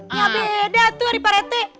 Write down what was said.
nggak beda tuh ripe rete